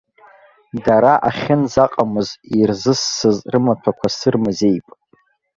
Дара ахьынӡаҟамыз ирзыссыз рымаҭәақәа сырмазеип.